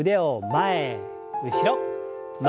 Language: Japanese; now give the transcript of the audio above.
前後ろ。